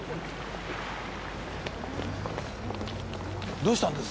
どうしたんです？